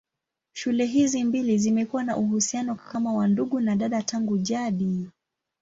Shule hizi mbili zimekuwa na uhusiano kama wa ndugu na dada tangu jadi.